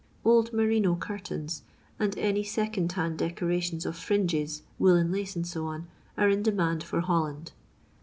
Old merino curtains, and any second hand decora tions of fringes, woollen lace, &c, are in demand for Holland.